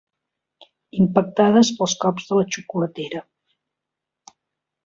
Impactades pels cops de la xocolatera.